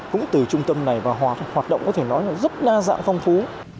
cũng từ trung tâm này và hoạt động có thể nói là rất đa dạng phong phú